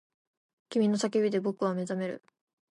君の叫びで僕は目覚める